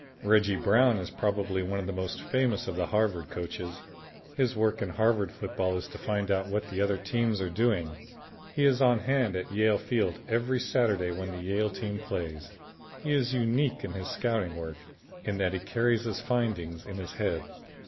Reggie Brown is probably one of the most famous of the Harvard coaches. His work in Harvard football is to find out what the other teams are doing. He is on hand at Yale Field every Saturday when the Yale team plays. He is unique in his scouting work, in that he carries his findings in his head.